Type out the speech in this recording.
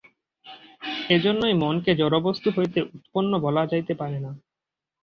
এইজন্যই মনকে জড়বস্তু হইতে উৎপন্ন বলা যাইতে পারে না।